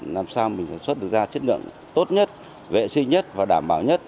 làm sao mình sản xuất được ra chất lượng tốt nhất vệ sinh nhất và đảm bảo nhất